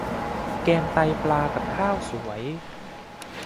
แกงไตปลากับข้าวสวย